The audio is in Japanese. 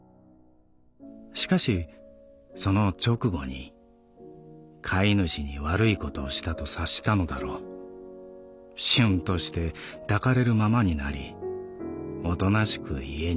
しかしその直後に飼い主に悪いことをしたと察したのだろうしゅんとして抱かれるままになりおとなしく家に戻った。